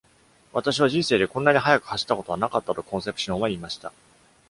「私は人生でこんなに速く走ったことはなかった」とコンセプシオンは言いました。